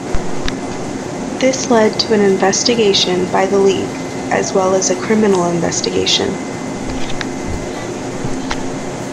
This led to an investigation by the league, as well as a criminal investigation.